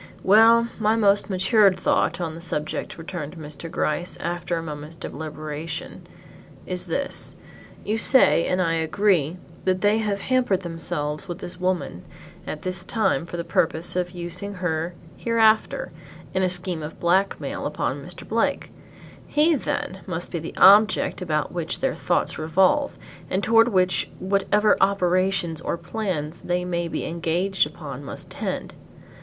"Well my most matured thought on the subject," returned Mr. Gryce, after a moment's deliberation, "is this, you say, and I agree, that they have hampered themselves with this woman at this time for the purpose of using her hereafter in a scheme of black mail upon Mr. Blake. He, then, must be the object about which their thoughts revolve and toward which whatever operations or plans they may be engaged upon must tend.